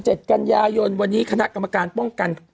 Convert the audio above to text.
เจ็ดกันยายนวันนี้ข้างเข้ากรรมการป้องกัน